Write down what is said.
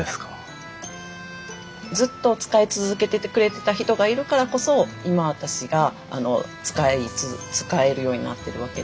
ずっと使い続けててくれてた人がいるからこそ今私が使えるようになってるわけで。